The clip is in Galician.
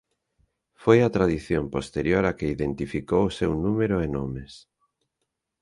Foi a tradición posterior a que identificou o seu número e nomes.